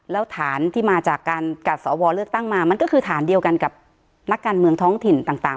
แล้วฐานที่มาจากการกัดสวเลือกตั้งมามันก็คือฐานเดียวกันกับนักการเมืองท้องถิ่นต่าง